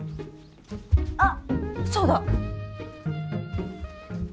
あっそうだ。